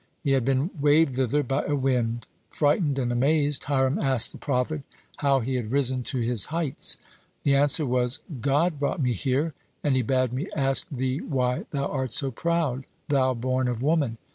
He had been waved thither by a wind. Frightened and amazed, Hiram asked the prophet how he had risen to his heights. The answer was: "God brought me here, and He bade me ask thee why thou art so proud, thou born of woman?"